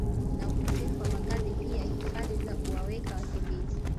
na ukosefu wa makazi pia hifadhi za kuwaweka wakimbizi